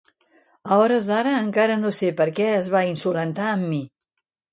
A hores d'ara encara no sé per què es va insolentar amb mi.